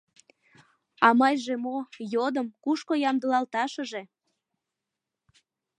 — А мыйже мо, йодым, кушко ямдылалташыже...